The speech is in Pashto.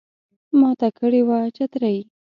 ماته کړي وه چترۍ